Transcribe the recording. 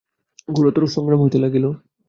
ঘোরতর সংগ্রাম হইতে লাগিল।